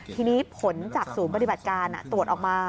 ทีนี้ผลจากศูนย์ปฏิบัติการตรวจออกมา